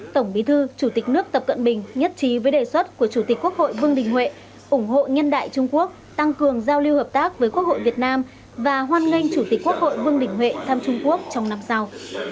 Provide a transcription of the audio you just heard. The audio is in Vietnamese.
tổng bí thư chủ tịch nước tập cận bình nhất trí với đề xuất của chủ tịch quốc hội vương đình huệ ủng hộ nhân đại trung quốc tăng cường giao lưu hợp tác với quốc hội việt nam và hoan nghênh chủ tịch quốc hội vương đình huệ thăm trung quốc trong năm sau